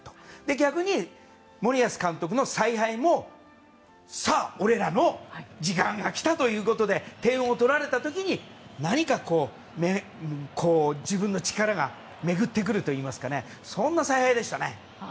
逆に、森保監督の采配もさあ、俺らの時間が来たということで点を取られた時に何か自分の力がめぐってくるといいますかそんな采配でしたね。